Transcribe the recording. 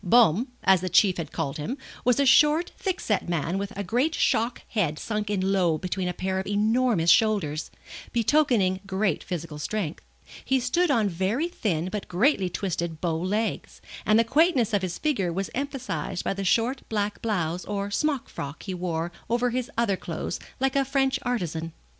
Baume, as the Chief had called him, was a short, thick set man with a great shock head sunk in low between a pair of enormous shoulders, betokening great physical strength; he stood on very thin but greatly twisted bow legs, and the quaintness of his figure was emphasized by the short black blouse or smock frock he wore over his other clothes like a French artisan.